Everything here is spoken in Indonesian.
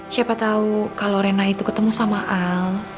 siapa tau kalo rena itu ketemu sama al